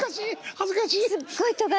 恥ずかしい。